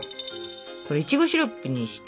これいちごシロップにして。